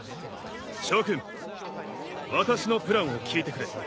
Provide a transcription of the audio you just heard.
諸君私のプランを聞いてくれ。